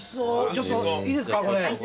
ちょっといいですかこれ。